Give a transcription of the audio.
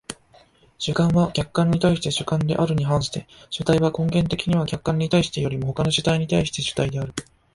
主観は客観に対して主観であるに反して、主体は根源的には客観に対してよりも他の主体に対して主体である。